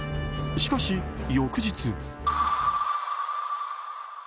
しかし、翌日。